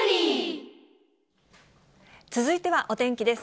続いてはお天気です。